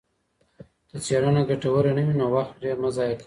که څېړنه ګټوره نه وي نو وخت پرې مه ضایع کوئ.